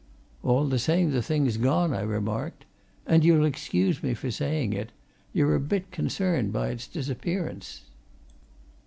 "All the same, the thing's gone," I remarked. "And you'll excuse me for saying it you're a bit concerned by its disappearance."